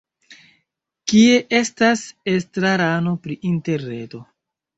Kie estas estrarano pri interreto?